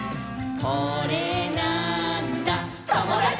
「これなーんだ『ともだち！』」